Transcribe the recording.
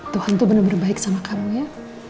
tuhan tuh bener bener baik sama kamu ya